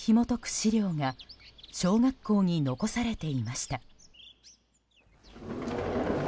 資料が小学校に残されていました。